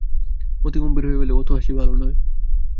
মতি গম্ভীর হইয়া বলে, অত হাসি ভালো নয়।